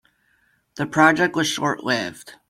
The project was short-lived.